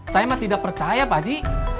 saya tidak percaya pak haji